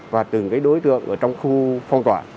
và từng đối tượng trong khu phong tỏa